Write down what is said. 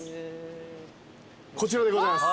こちらでございます。